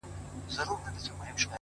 زما او ستا تر منځ صرف فرق دادى،